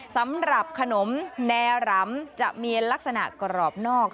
สำหรับขนมแนรำจะมีลักษณะกรอบนอก